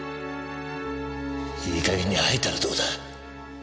いい加減に吐いたらどうだ？